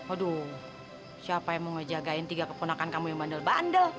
aduh siapa yang mau ngejagain tiga keponakan kamu yang bandel bandel